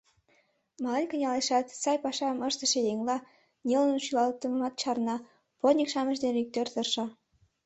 Мален кынелешат, сай пашам ыштыше еҥла, нелын шӱлымымат чарна, плотньык-шамыч дене иктӧр тырша.